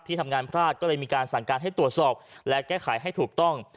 ทำงานพลาดก็เลยมีการสั่งการให้ตรวจสอบและแก้ไขให้ถูกต้อง